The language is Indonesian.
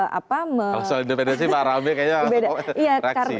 kalau soal independensi pak habibie kayaknya